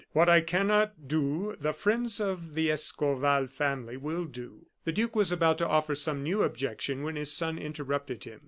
What I cannot do the friends of the Escorval family will do." The duke was about to offer some new objection when his son interrupted him.